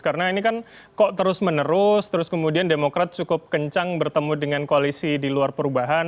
karena ini kan kok terus menerus terus kemudian demokrat cukup kencang bertemu dengan koalisi di luar perubahan